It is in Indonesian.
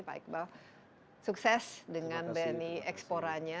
pak iqbal sukses dengan bni eksporanya